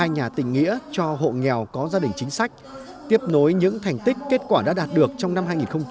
hai nhà tình nghĩa cho hộ nghèo có gia đình chính sách tiếp nối những thành tích kết quả đã đạt được trong năm hai nghìn hai mươi ba